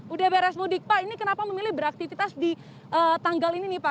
udah beres mudik pak ini kenapa memilih beraktivitas di tanggal ini nih pak